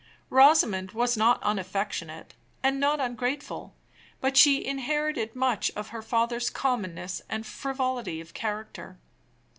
Rosamond was not unaffectionate, and not ungrateful; but she inherited much of her father's commonness and frivolity of character.